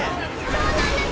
そうなんです